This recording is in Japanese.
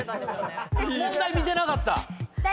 問題見てなかった！